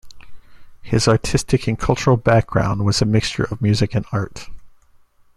His artistic and cultural background was a mixture of music and art.